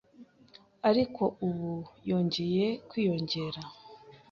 ariko ubu yongeye kwiyongera,